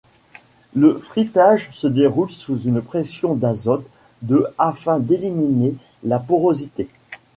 Le frittage se déroule sous une pression d'azote de afin d'éliminer la porosité.